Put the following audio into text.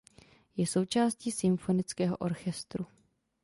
Je součástí symfonického orchestru.